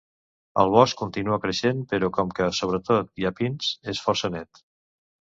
El bosc continua creixent, però com que sobretot hi ha pins, és força net.